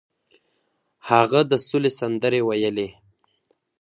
هغه د سولې سندرې ویلې.